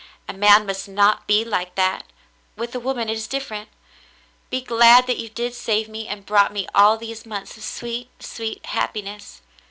A man must not be like that. With a woman it is different. Be glad that you did save me and brought me all these months of sweet, sweet happiness.